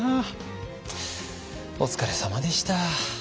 お疲れさまでした。